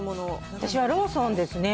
私はローソンですね。